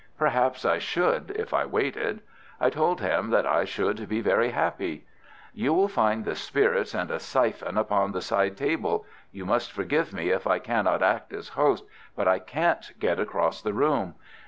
Perhaps I should, if I waited. I told him that I should be very happy. "You will find the spirits and a siphon upon the side table. You must forgive me if I cannot act as host, but I can't get across the room.